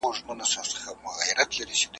د خوب د تعبير علم خورا مهم دی.